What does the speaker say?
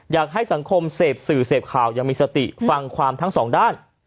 อยากให้สังคมเสพสื่อเสพข่าวยังมีสติฟังความทั้งสองด้าน